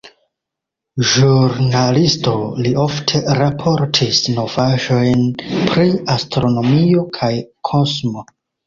Ĵurnalisto, li ofte raportis novaĵojn pri astronomio kaj kosmo.